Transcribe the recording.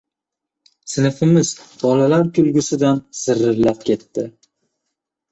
Sinfimiz bolalar kulgisidan zirillab ketdi.